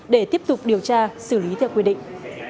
để tiếp tục điều tra xử lý theo quy định